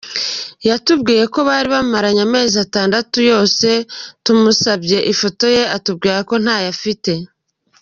Yatubwiye ko bari bamaranye amezi atandatu yose tumusabye ifoto ye atubwira ko ntayo afite.